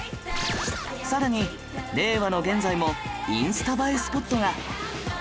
さらに令和の現在もインスタ映えスポットが！